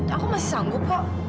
aku masih sanggup kok